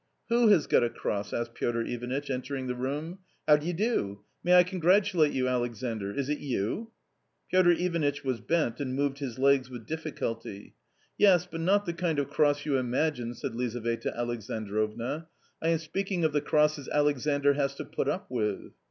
"Who has got a cross?" asked Piotr Ivanitch, entering the room, "How do you do? May I congratulate you, t Alexandr ! is it you ?" i Piotr Ivanitch was bent and moved his legs with ^' difficulty. " Yes, but not the kind of cross you imagine," said Liza veta Alexandrovna ;" I am speaking of the crosses Alexandr has to put up with."